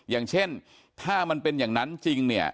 อย่างเช่นถ้ามันเป็นอย่างนั้นจริงเนี่ย